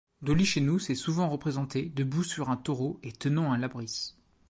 Dolichenus est souvent représenté debout sur un taureau et tenant un labrys.